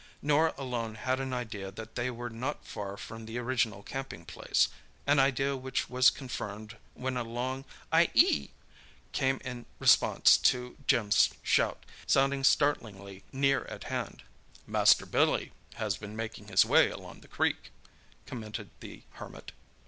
Norah alone had an idea that they were not far from their original camping place; an idea which was confirmed when a long "Ai i i!" came in response to Jim's shout, sounding startlingly near at hand. "Master Billy has been making his way along the creek," commented the Hermit.